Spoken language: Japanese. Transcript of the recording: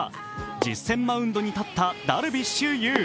実戦マウンドに立ったダルビッシュ有。